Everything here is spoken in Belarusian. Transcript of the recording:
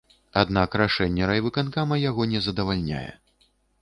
Аднак рашэнне райвыканкама яго не задавальняе.